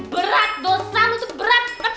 berat dosa lo tuh berat